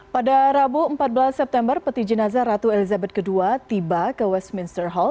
pada rabu empat belas september peti jenazah ratu elizabeth ii tiba ke westminster hall